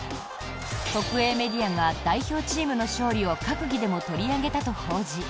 国営メディアが代表チームの勝利を閣議でも取り上げたと報じ